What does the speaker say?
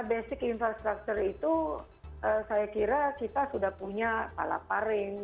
basic infrastructure itu saya kira kita sudah punya palaparing